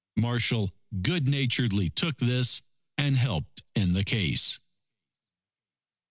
Marshall good naturedly took this, and helped in the case.